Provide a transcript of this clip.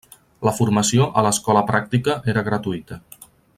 La formació a l’Escola Pràctica era gratuïta.